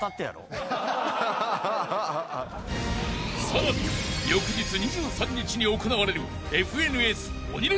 ［さらに翌日２３日に行われる］